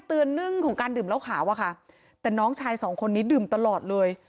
เรื่องของการดื่มเหล้าขาวอะค่ะแต่น้องชายสองคนนี้ดื่มตลอดเลย